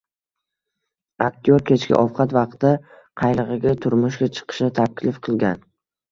Aktyor kechki ovqat vaqtida qaylig‘iga turmushga chiqishni taklif qilgan